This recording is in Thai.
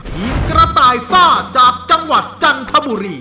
ทีมกระต่ายซ่าจากจังหวัดจันทบุรี